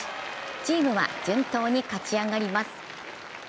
チームは順当に勝ち上がります。